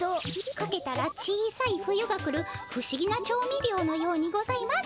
かけたら小さい冬が来るふしぎな調味りょうのようにございます。